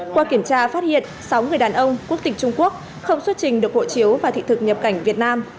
qua kiểm tra phát hiện sáu người đàn ông quốc tịch trung quốc không xuất trình được hộ chiếu và thị thực nhập cảnh việt nam